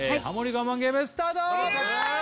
我慢ゲームスタートイエイ！